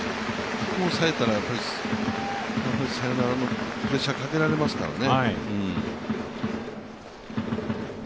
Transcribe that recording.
ここ抑えたら、サヨナラのプレッシャーかけられますからね。